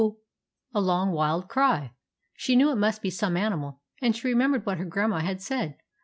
— a long, wild cry. She knew it must be some animal, and she remembered what her Grandma had said.